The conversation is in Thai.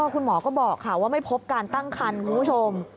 คุณหมอก็บอกค่ะว่าไม่พบการตั้งคันคุณผู้ชม